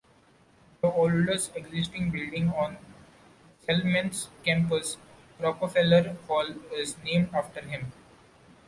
The oldest existing building on Spelman's campus, Rockefeller Hall, is named after him.